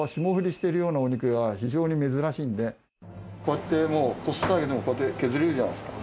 こうやってもうこすっただけでもこうやって削れるじゃないですか。